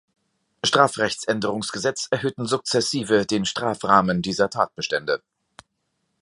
Strafrechtsänderungsgesetz erhöhten sukzessive den Strafrahmen dieser Tatbestände.